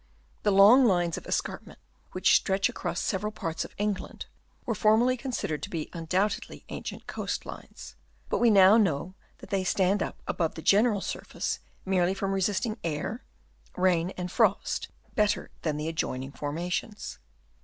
The long lines of escarpment which stretch across several parts of England were formerly considered to be undoubtedly ancient coast lines ; but we now know that they stand up above the general surface merely from resisting air, rain and frost better than the adjoining formations.